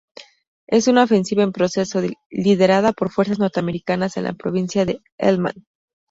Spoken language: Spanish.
Es una ofensiva en proceso, liderada por fuerzas norteamericanas en la provincia de Helmand.